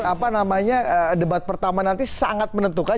apa namanya debat pertama nanti sangat menentukan